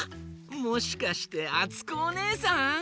もしかしてあつこおねえさん？